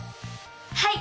はい！